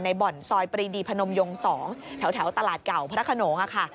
บ่อนซอยปรีดีพนมยง๒แถวตลาดเก่าพระขนงค่ะ